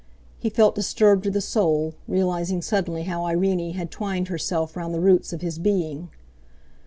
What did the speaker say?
He felt disturbed to the soul, realising suddenly how Irene had twined herself round the roots of his being.